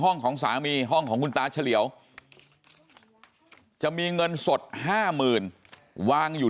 ห้องของสามีห้องของคุณตาเฉลี่ยจะมีเงินสดห้าหมื่นวางอยู่